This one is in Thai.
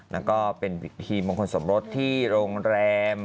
แล้วก็เป็นพิธีมงคลสมรสที่โรงแรม